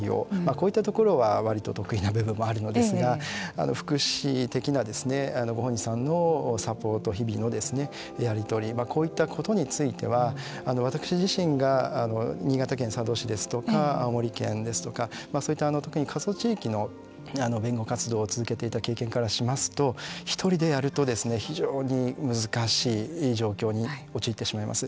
こういったところは割と得意な部分もあるんですが福祉的なご本人さんのサポート日々のやり取りこういったことについては私自身が新潟県佐渡市ですとか青森県ですとかそういった過疎地域の弁護活動を続けていた経験からしますと１人でやると非常に難しい状況に陥ってしまいます。